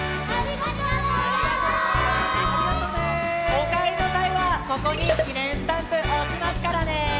おかえりのさいはここにきねんスタンプおしますからね！